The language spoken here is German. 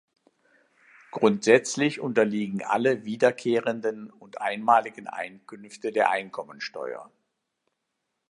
Grundsätzlich unterliegen alle wiederkehrenden und einmaligen Einkünfte der Einkommenssteuer.